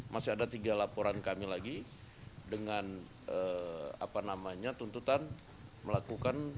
masih ada tiga laporan kami lagi dengan tuntutan melakukan